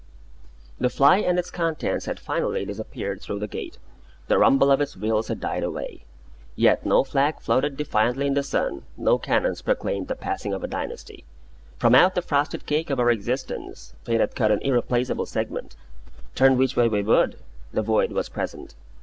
The fly and its contents had finally disappeared through the gate: the rumble of its wheels had died away; and no flag floated defiantly in the sun, no cannons proclaimed the passing of a dynasty. From out the frosted cake of our existence Fate had cut an irreplaceable segment; turn which way we would, the void was present.